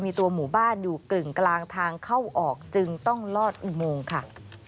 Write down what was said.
มีตัวหมู่บ้านอยู่กึ่งกลางทางเข้าออกจึงต้องลอดอุโมงค่ะ